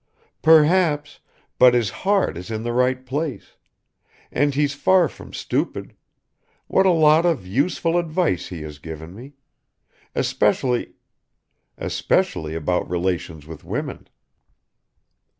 "Perhaps, but his heart is in the right place. And he's far from stupid. What a lot of useful advice he has given me ... especially ... especially about relations with women."